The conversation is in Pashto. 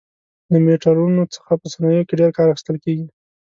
له میټرونو څخه په صنایعو کې ډېر کار اخیستل کېږي.